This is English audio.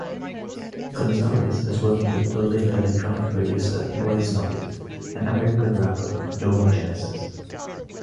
Gonzales is working with Berlin electronic producer Boys Noize and American rapper Domo Genesis.